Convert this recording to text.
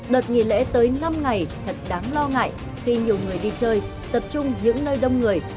đợt nghỉ lễ tới năm ngày thật đáng lo ngại khi nhiều người đi chơi tập trung những nơi đông người